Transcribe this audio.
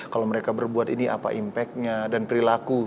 kalau mereka berbuat ini apa impact nya dan perilaku